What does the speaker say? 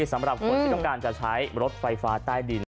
สำหรับคนที่ต้องการจะใช้รถไฟฟ้าใต้ดิน